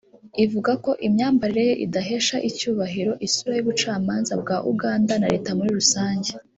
ivuga ko imyambarire ye idahesha icyubahiro isura y’Ubucamanza bwa Uganda na Leta muri rusange